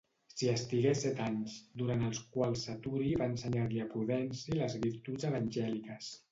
S'hi estigué set anys, durant els quals Saturi va ensenyar-li a Prudenci les virtuts evangèliques.